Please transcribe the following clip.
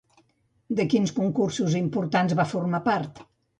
De quins concursos importants va formar part?